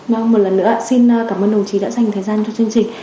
vâng một lần nữa xin cảm ơn đồng chí đã dành thời gian cho chương trình